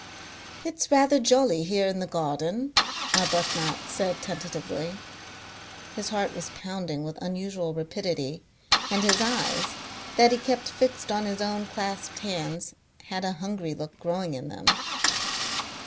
"It's rather jolly here in the garden," Arbuthnot said tentatively. His heart was pounding with unusual rapidity, and his eyes, that he kept fixed on his own clasped hands, had a hungry look growing in them.